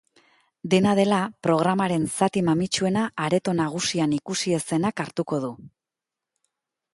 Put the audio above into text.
Dena dela, programaren zati mamitsuena areto nagusian ikusi ez zenak hartuko du.